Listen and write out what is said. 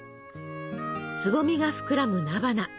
つぼみが膨らむ菜花。